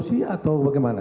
asumsi atau bagaimana